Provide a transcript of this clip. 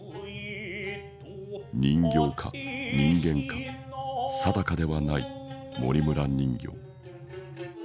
人形か人間か定かではない森村人形。